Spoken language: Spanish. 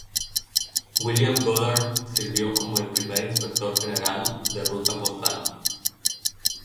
William Goddard sirvió como el primer Inspector General de Ruta Postal.